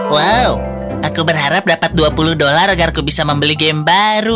wow aku berharap dapat dua puluh dolar agar aku bisa membeli game baru